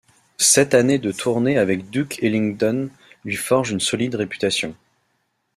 Ses sept années de tournée avec Duke Ellington lui forgent une solide réputation.